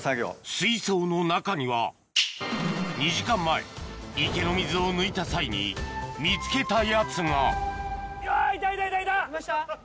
水槽の中には池の水を抜いた際に見つけたやつがいました？